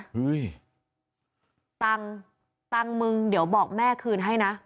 เฮ้ยตังค์ตังค์มึงเดี๋ยวบอกแม่คืนให้นะ